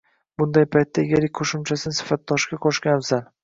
Bunday paytda egalik qoʻshimchasini sifatdoshga qoʻshgan afzal